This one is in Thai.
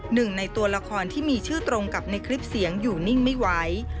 หนึ่งในตัวละครที่มีชื่อตรงกับในคลิปเสียงอยู่นิ่งไม่ไหว